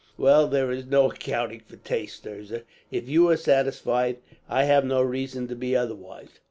"Well, there is no accounting for taste, Thirza. If you are satisfied, I have no reason to be otherwise.